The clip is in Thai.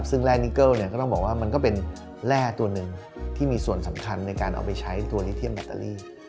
ซึ่งแร่นิเกิลเนี่ยก็ต้องบอกว่ามันก็เป็นแร่ตัวหนึ่งที่มีส่วนสำคัญในการเอาไปใช้ตัวลิเทียมแบตเตอรี่